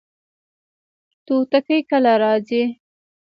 توتکۍ کله راځي؟